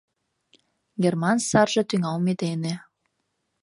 Герман сарже тӱҥалме дене